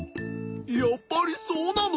やっぱりそうなの？